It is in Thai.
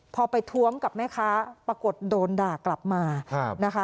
พอไปท้วงกับแม่ค้าปรากฏโดนด่ากลับมานะคะ